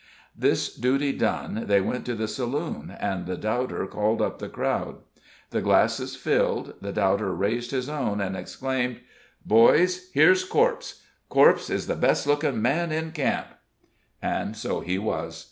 This duty done, they went to the saloon, and the doubter called up the crowd. The glasses filled, the doubter raised his own, and exclaimed: "Boys, here's corpse corpse is the best looking man in camp." And so he was.